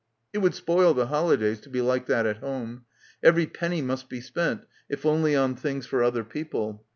It would spoil the holidays to be like that at home. Every penny must be spent, if only on things for other people.